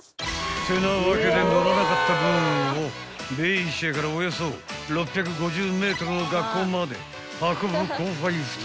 ［てなわけで載らなかった分をベイシアからおよそ６５０ｍの学校まで運ぶ後輩２人］